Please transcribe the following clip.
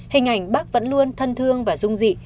hình ảnh bắc vẫn luôn thân thương và rung dị